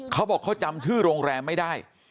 เขาบอกเขาจำชื่อโรงแรมไม่ได้